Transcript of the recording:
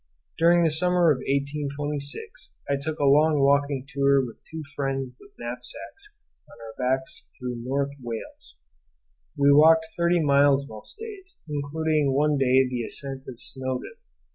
During the summer of 1826 I took a long walking tour with two friends with knapsacks on our backs through North Wales. We walked thirty miles most days, including one day the ascent of Snowdon.